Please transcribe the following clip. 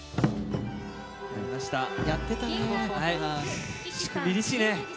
やってたね。